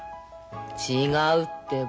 違うってば。